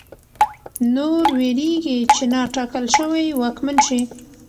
نور وېرېږي چې نا ټاکل شوی واکمن شي.